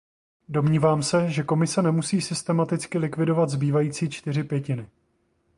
Domnívám se, že Komise nemusí systematicky likvidovat zbývající čtyři pětiny.